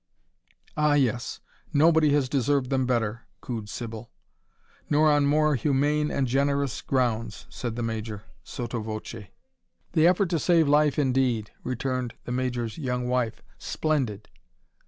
"Ah, yes, nobody has deserved them better," cooed Sybil. "Nor on more humane and generous grounds," said the Major, sotto voce. "The effort to save life, indeed," returned the Major's young wife: "splendid!"